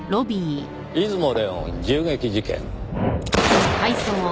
出雲麗音銃撃事件。